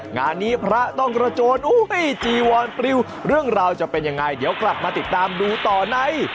งานนี้พระต้องกระโจนจีวอนปริวเรื่องราวจะเป็นยังไงเดี๋ยวกลับมาติดตามดูต่อใน